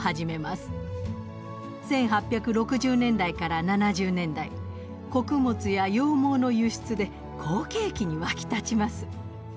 １８６０年代から７０年代穀物や羊毛の輸出で好景気に沸き立ちます。